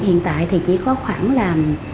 hiện tại thì chỉ có khoảng là